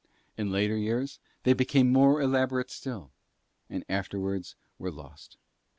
In later years they became more elaborate still, and afterwards were lost.